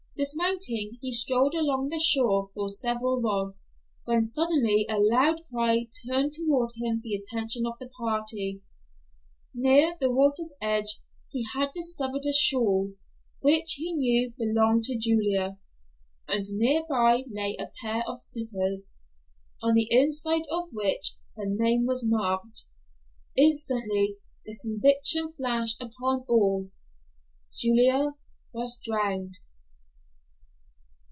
Dismounting, he strolled along the shore for several rods, when suddenly a loud cry turned toward him the attention of the party. Near the water's edge he had discovered a shawl, which he knew belonged to Julia, and near by lay a pair of slippers, on the inside of which her name was marked. Instantly the conviction flashed upon all—Julia was drowned!